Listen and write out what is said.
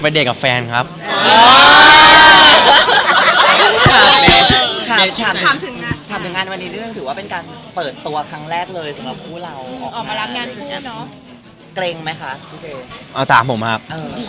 จะได้เข้าความรัก